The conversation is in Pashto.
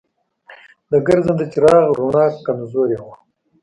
د ګرځنده چراغ رڼا کمزورې وه.